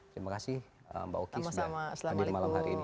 terima kasih mbak oki sudah hadir malam hari ini